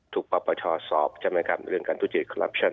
ถูกประปเจ้าสอบเรื่องการทุจิตคอรรับชัน